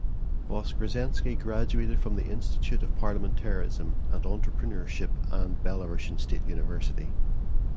Voskresensky graduated from the Institute of parliamentarism and entrepreneurship and Belarusian State University.